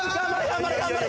頑張れ頑張れ